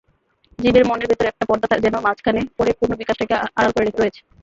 জীবের মনের ভেতর একটা পর্দা যেন মাঝখানে পড়ে পূর্ণ বিকাশটাকে আড়াল করে রয়েছে।